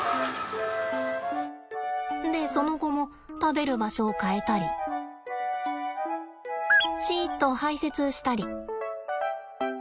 でその後も食べる場所を変えたりシッと排せつしたり。